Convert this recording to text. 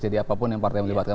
jadi apapun yang partai melibatkan